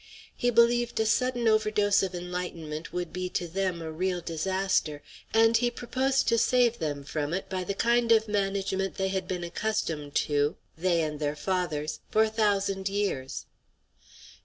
He believed a sudden overdose of enlightenment would be to them a real disaster, and he proposed to save them from it by the kind of management they had been accustomed to they and their fathers for a thousand years.